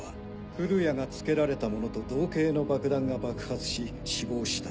降谷がつけられたものと同型の爆弾が爆発し死亡した。